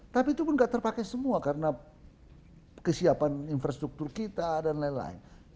tapi itu pun tidak terpakai semua karena kesiapan infrastruktur kita dan lain lain